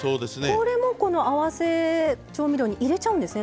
これもこの合わせ調味料に入れちゃうんですね